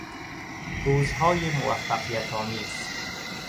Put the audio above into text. روزهای موفقیت آمیز